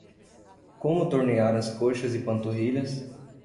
Como tornear as coxas e panturrilhas